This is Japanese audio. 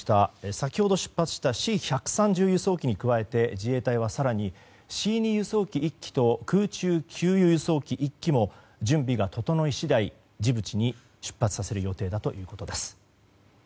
先ほど出発したＣ１３０輸送機に加えて自衛隊は更にＣ２輸送機１機と空中給油・輸送機１機も準備が整い次第ジブチに出発させる予定だということです。